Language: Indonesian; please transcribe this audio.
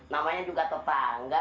namanya juga tetangga